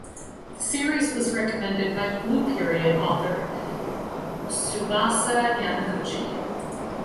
The series was recommended by "Blue Period" author Tsubasa Yamaguchi.